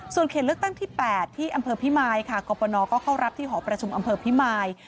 ส่วนเขตเลือกตั้งที่๘ที่อำเภอพิมายค่ะกรปนก็เข้ารับที่หอประชุมอำเภอพิมาย